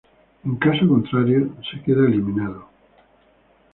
En caso contrario, queda eliminado.